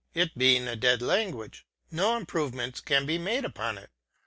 It being a dead language no improvements can be made upon it.